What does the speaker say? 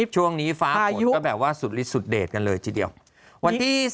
ช่วงนี้ฟ้าผลก็แบบว่าสุดลิดสุดเดทกันเลยจริง